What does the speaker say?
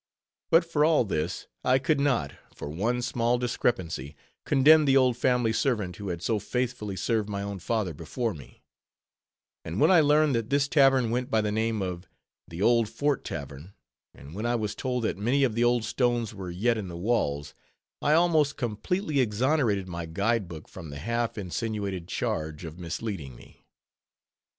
But for all this, I could not, for one small discrepancy, condemn the old family servant who had so faithfully served my own father before me; and when I learned that this tavern went by the name of "The Old Fort Tavern;" and when I was told that many of the old stones were yet in the walls, I almost completely exonerated my guide book from the half insinuated charge of misleading me.